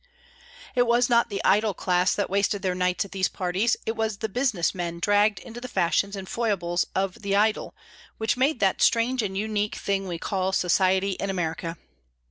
It was not the idle class that wasted their nights at these parties; it was the business men dragged into the fashions and foibles of the idle, which made that strange and unique thing we call society in America.